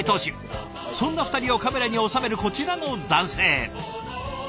そんな２人をカメラに収めるこちらの男性。